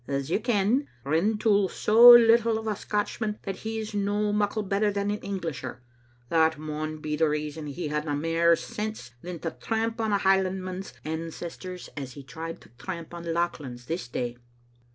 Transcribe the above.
"As you ken, Rintoul's so little o' a Scotchman that he's no muckle better than an Englisher. That maun be the reason he hadna mair sense than to tramp on a Highlandman's ancestors, as he tried to tramp on Lauchlan's this day."